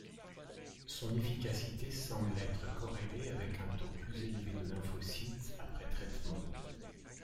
Son efficacité semble être corrélé avec un taux plus élevé de lymphocytes, après traitement.